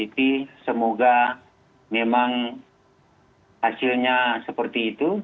tapi semoga memang hasilnya seperti itu